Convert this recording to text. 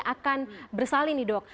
akan bersalin nih dok